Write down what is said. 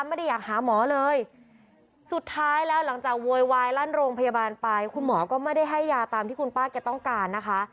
ไม่ได้อยากหาหมอเลยสุดท้ายแล้วหลังจากโวยวายลั่นโรงพยาบาลไปคุณหมอก็ไม่ได้ให้ยาตามที่คุณป้าแกต้องการนะคะ